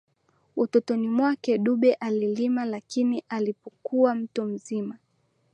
Utotoni mwake Dube alilima lakini alipokuwa mtu mzima